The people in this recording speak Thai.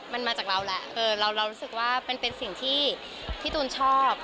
มันมาจากเราแหละเรารู้สึกว่ามันเป็นสิ่งที่พี่ตูนชอบ